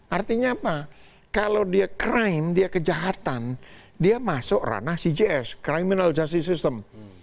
artinya apa kalau dia crime dia kejahatan dia masuk ranah cgs criminal justice system